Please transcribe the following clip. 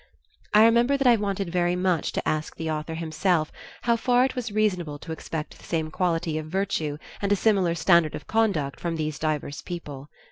I remember that I wanted very much to ask the author himself how far it was reasonable to expect the same quality of virtue and a similar standard of conduct from these divers people.